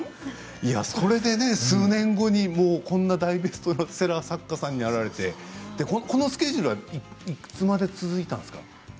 それで数年後に大ベストセラー作家さんになられてこのスケジュールいつまで続いたんですか。